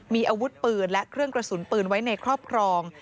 มีอาวุธปืนและเครื่องกระสุนปืนไว้ในครอบครอง